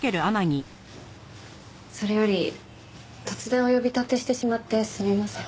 それより突然お呼び立てしてしまってすみません。